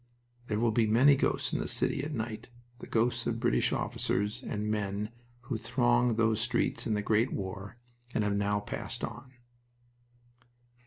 There will be many ghosts in the city at night the ghosts of British officers and men who thronged those streets in the great war and have now passed on.